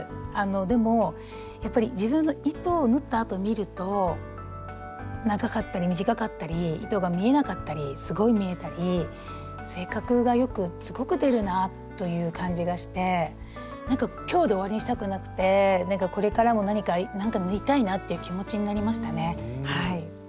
でもやっぱり自分の糸を縫ったあと見ると長かったり短かったり糸が見えなかったりすごい見えたり性格がよくすごく出るなあという感じがしてなんか今日で終わりにしたくなくてこれからも何かなんか縫いたいなあっていう気持ちになりましたねはい。